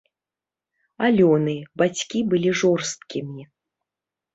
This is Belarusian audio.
Алёны, бацькі былі жорсткімі.